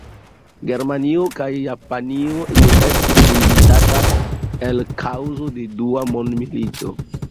Germanio kaj Japanio ne estis invitata el kaŭzo de Dua mondmilito.